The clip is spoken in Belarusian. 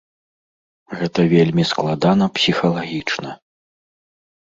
Гэта вельмі складана псіхалагічна.